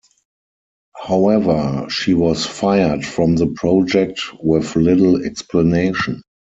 However, she was fired from the project with little explanation.